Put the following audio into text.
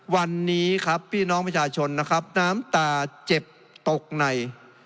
วันนี้ครับพี่น้องมพเฉาะชนน้ำตาเจ็บตกใน